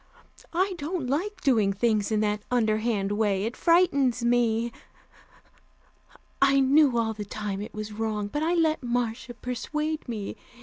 I don't like doing things in that underhand way; it frightens me. I knew all the time it was wrong, but I let Marcia persuade me.